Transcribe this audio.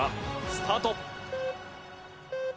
スタート！